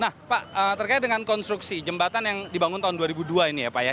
nah pak terkait dengan konstruksi jembatan yang dibangun tahun dua ribu dua ini ya pak ya